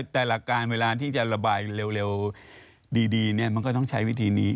แต่หลักการเวลาที่จะระบายเร็วดีมันก็ต้องใช้วิธีนี้